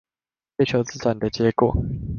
月球自轉的結果